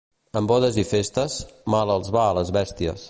En bodes i festes, mal els va a les bèsties.